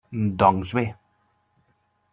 Doncs bé.